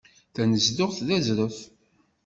Tanezduɣt d azref.